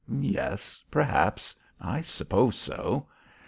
Yes perhaps I suppose so.